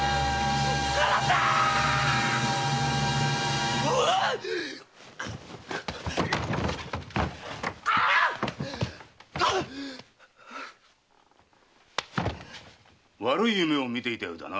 離せ‼悪い夢を見ていたようだな。